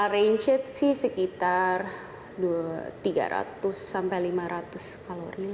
range nya sih sekitar tiga ratus lima ratus kalori lah